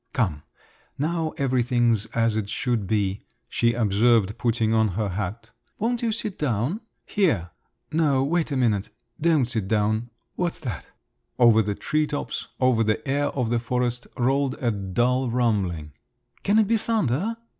"Come, now everything's as it should be," she observed, putting on her hat. "Won't you sit down? Here! No, wait a minute … don't sit down! What's that?" Over the tree tops, over the air of the forest, rolled a dull rumbling. "Can it be thunder?"